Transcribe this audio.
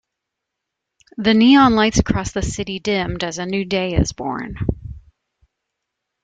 The neon lights across the city dimmed as a new day is born.